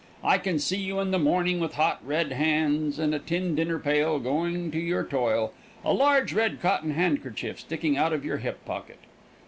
I can see you in the morning, with hot, red hands and a tin dinner pail, going to your toil, a large red cotton handkerchief sticking out of your hip pocket.